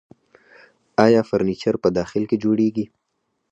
آیا فرنیچر په داخل کې جوړیږي؟